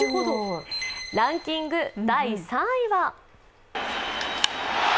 ランキング第３位は！